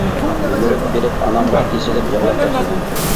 يۈگۈرۈپ بېرىپ ئانامغا ئېسىلىپ يىغلاپ تاشلىدىم.